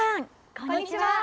こんにちは。